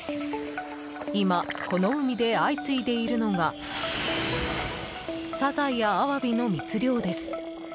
今、この海で相次いでいるのがサザエやアワビの密漁です。